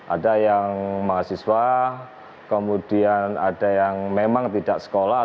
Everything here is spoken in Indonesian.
ada yang mahasiswa kemudian ada yang memang tidak sekolah